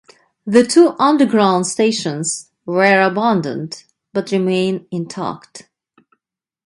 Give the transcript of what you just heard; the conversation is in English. The two underground stations were abandoned, but remain intact.